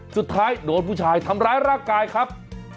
สุดท้ายโดนผู้ชายทำร้ายร่างกายครับ